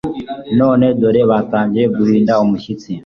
none dore batangiye guhinda umushyitsi